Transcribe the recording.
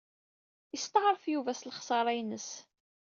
Isteɛṛef Yuba s lexṣara-ines.